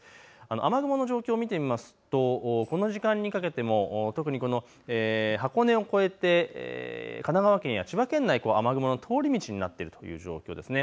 雨雲の状況を見ていきますとこの時間にかけても特に箱根を越えて神奈川県や千葉県内、雨雲の通り道になっているという状況です。